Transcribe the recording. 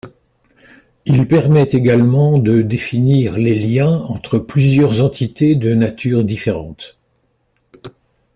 Il permet également de définir les liens entre plusieurs entités de nature différente.